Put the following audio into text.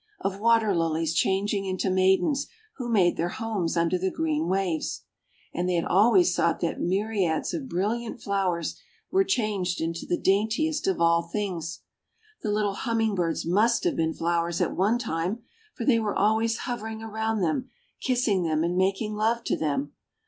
Of Water Lilies changing into maidens, who made their homes under the green waves? And they had always thought that myriads of brilliant flowers were changed into the daintiest of all things. The little Humming Birds must have been flowers at one time, for they were always hovering around them, kissing them and making love to them.